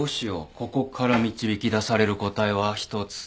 ここから導き出される答えは１つ。